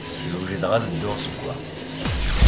Wejdeɣ ad dduɣ seg-a.